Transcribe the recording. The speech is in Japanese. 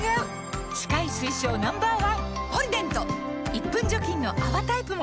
１分除菌の泡タイプも！